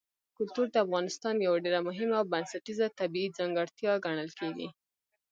کلتور د افغانستان یوه ډېره مهمه او بنسټیزه طبیعي ځانګړتیا ګڼل کېږي.